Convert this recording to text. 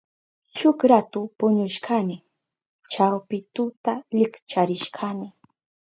Shuk ratu puñushkani. Chawpi tuta likcharishkani.